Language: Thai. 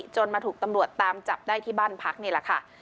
มาถูกตำรวจตามจับได้ที่บ้านพักนี่แหละค่ะ